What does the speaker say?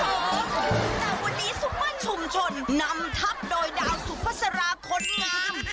แต่วันนี้ซุปเปอร์ชุมชนนำทัพโดยดาวสุภาษาราคนงาม